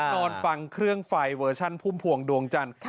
นอนฟังเครื่องไฟเวอร์ชันพุ่มพวงดวงจันทร์